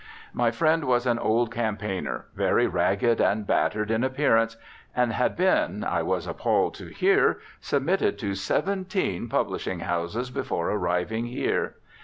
My friend was an old campaigner, very ragged and battered in appearance, and had been (I was appalled to hear) submitted to seventeen publishing houses before arriving here.